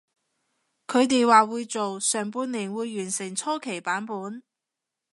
佢哋話會做，上半年會完成初期版本